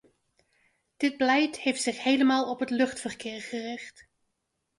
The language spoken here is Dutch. Dit beleid heeft zich helemaal op het luchtverkeer gericht.